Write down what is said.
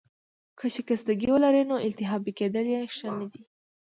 که شکستګي ولرې، نو التهابي کیدل يې ښه نه دي.